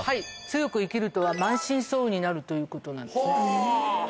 強く生きるとは、満身創痍になるということなんですね。